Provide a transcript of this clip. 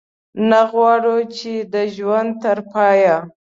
نه غواړو چې د ژوند تر پایه.